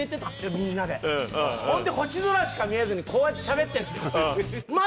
みんなでほんで星空しか見えずにこうやって喋ってんですよ